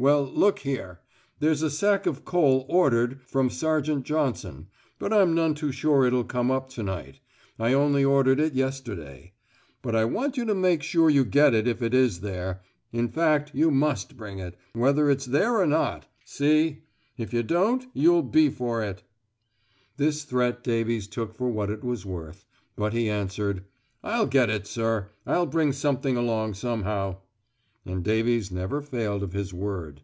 "Well, look here. There's a sack of coal ordered from Sergeant Johnson, but I'm none too sure it'll come up to night. I only ordered it yesterday. But I want you to make sure you get it if it is there; in fact you must bring it, whether it's there or not. See? If you don't, you'll be for it." This threat Davies took for what it was worth. But he answered: "I'll get it, sir. I'll bring something along somehow." And Davies never failed of his word.